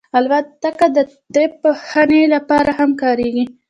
الوتکه د طب پوهنې لپاره هم کارېږي.